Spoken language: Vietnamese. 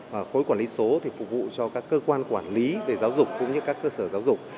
và khối quản lý số thì phục vụ cho các cơ quan quản lý về giáo dục cũng như các cơ sở giáo dục